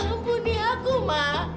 ambul nih aku ma